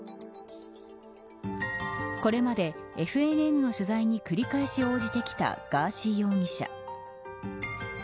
これまでＦＮＮの取材に繰り返し応じてきたガーシー容疑者。